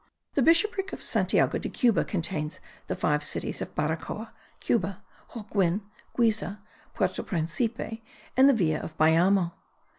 The bishopric of Santiago de Cuba contains the five cities of Baracoa, Cuba, Holguin, Guiza, Puerto Principe and the Villa of Bayamo.